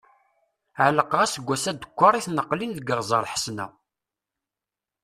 Ɛelqeɣ aseggas-a dekkeṛ i tneqlin deg Iɣzeṛ Ḥesna.